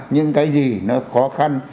những cái gì nó khó khăn